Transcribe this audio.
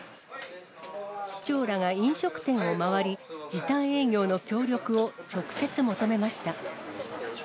市長らが飲食店を回り、時短営業の協力を直接求めました。